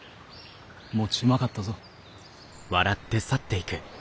餅うまかったぞ。